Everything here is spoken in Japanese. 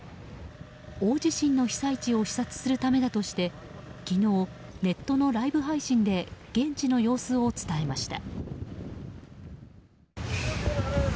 大地震の被災地を視察するためだとして昨日、ネットのライブ配信で現地の様子を伝えました。